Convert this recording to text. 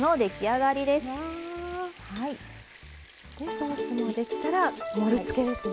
ソースもできたら盛りつけですね。